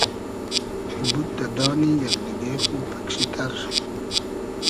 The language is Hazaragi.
بود دۂ دانی یئگ دیگې خو پئگ شی تئر